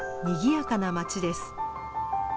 にぎやかな町です。